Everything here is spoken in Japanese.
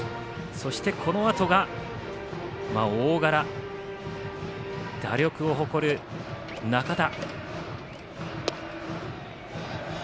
そして、このあとが、大柄打力を誇る仲田。